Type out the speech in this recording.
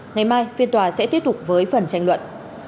ngày mai phiên tòa sẽ tiếp tục với phần tranh luận